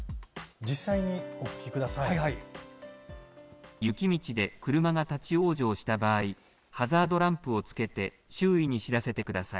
実際に、お聞きください。